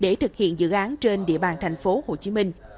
để thực hiện dự án trên địa bàn thành phố hồ chí minh